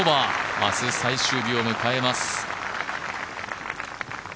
明日、最終日を迎えます。